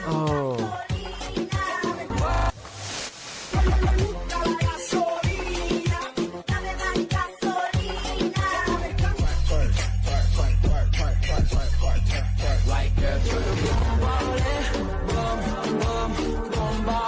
โอ้โห